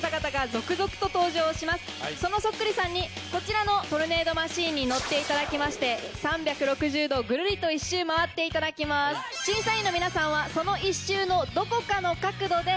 そのそっくりさんにこちらのトルネードマシンに乗っていただきまして３６０度ぐるりと１周回っていただきます。を差し上げます。